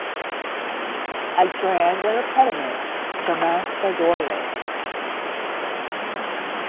A triangular pediment surmounts the doorway.